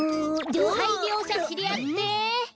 はいりょうしゃしりあって！